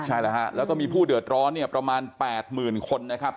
ใช่แล้วก็มีผู้เดือดร้อนเนี่ยประมาณ๘หมื่นคนนะครับ